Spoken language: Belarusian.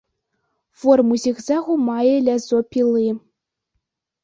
Форму зігзагу мае лязо пілы.